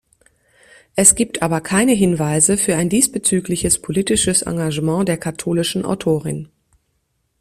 Es gibt aber keine Hinweise für ein diesbezügliches politisches Engagement der katholischen Autorin.